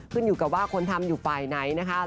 ขึ้นอยู่กับว่าคนทำอยู่ฝ่ายไหนนะคะ